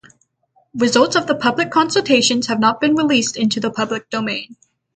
Results of the public consultations have not been released into the public domain.